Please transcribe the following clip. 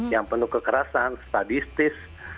yang penuh kekerasan sadistis